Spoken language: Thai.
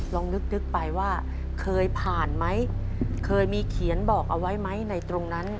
ลองนึกไปว่าเคยผ่านไหมเคยมีเขียนบอกเอาไว้ไหมในตรงนั้น